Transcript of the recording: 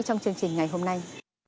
trong chương trình ngày hôm nay